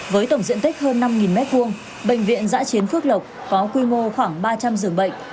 với tổng diện tích hơn năm m hai bệnh viện giã chiến phước lộc có quy mô khoảng ba trăm linh giường bệnh